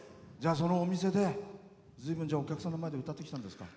そのお店でずいぶん、お客さんの前で歌ってきたんですか。